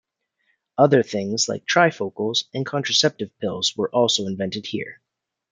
Other things like trifocals and contraceptive pills were also invented here.